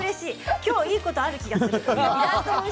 今日いいことある気がする。